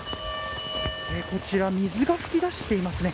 こちら水が噴き出していますね。